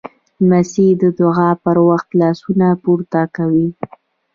لمسی د دعا پر وخت لاسونه پورته کوي.